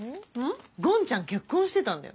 ごんちゃん結婚してたんだよ。